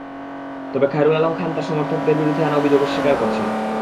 তবে খয়রুল আলম খান তাঁর সমর্থকদের বিরুদ্ধে আনা অভিযোগ অস্বীকার করেছেন।